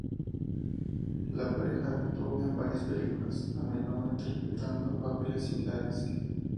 La pareja actuó en varias películas, a menudo interpretando papeles similares.